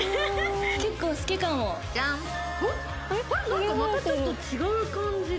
なんかまたちょっと違う感じで。